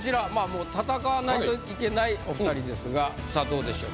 もう戦わなきゃいけないお２人ですがさあどうでしょう？